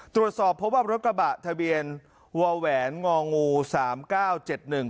ตรวจสอบเพราะว่ารถกระบะทะเบียนวแหวนงองูสามเก้าเจ็ดหนึ่ง